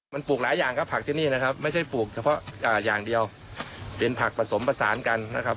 มันปลูกหลายอย่างครับผักที่นี่นะครับไม่ใช่ปลูกเฉพาะอย่างเดียวเป็นผักผสมผสานกันนะครับ